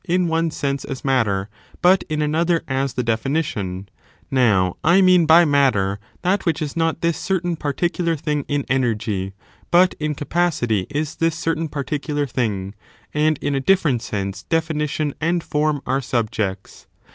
in QQg sense as matter, but in another as the definition; now, I mean by matter that which is not this I certain paHiicular thing in energy, but in capacity is this j certain particular thing; and in a difierent sense definition I and form are subjects.